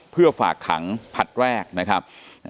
เพื่อฝากขังผลัดแรกนะครับ